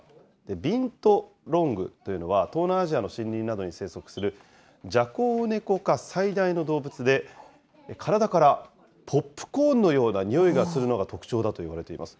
ビントロングというのは、東南アジアの森林などに生息する、ジャコウネコ科最大の動物で、体からポップコーンのような匂いがするのが特徴だといわれています。